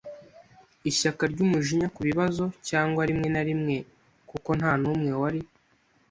ishyaka ry'umujinya kubibazo, cyangwa rimwe na rimwe kuko ntanumwe wari